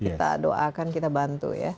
kita doakan kita bantu ya